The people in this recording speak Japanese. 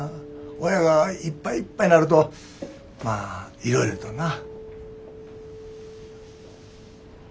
親がいっぱいいっぱいなるとまあいろいろとな。